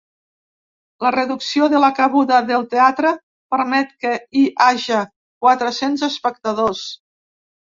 La reducció de la cabuda del teatre permet que hi haja quatre-cents espectadors.